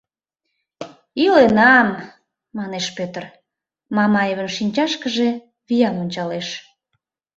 — Иленам, — манеш Пӧтыр, Мамаевын шинчашкыже виян ончалеш.